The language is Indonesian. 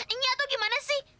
ini atau gimana sih